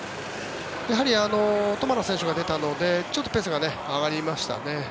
やはりトマラ選手が出たのでちょっとペースが上がりましたね。